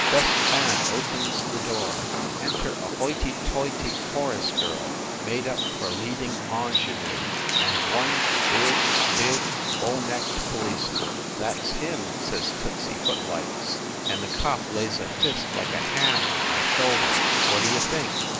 Best man opens the door. Enter a hoity toity chorus girl made up for leading ingenue, and one big, big, bull necked policeman. "That s him," says Tootsy Footlights, and the cop lays a fist like a ham on my shoulder. What d you think?